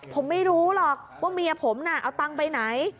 ผมไม่รู้หรอกว่าเมียผมน่ะเอาตังค์ไปไหน